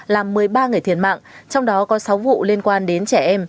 làm một mươi ba người thiệt mạng trong đó có sáu vụ liên quan đến trẻ em